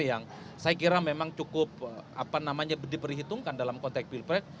yang saya kira memang cukup diperhitungkan dalam konteks pilpres